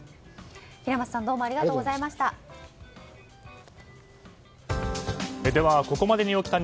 平松さんどうもありがとうございました。